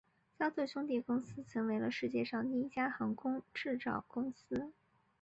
肖特兄弟公司成为了世界上第一家航空制造公司。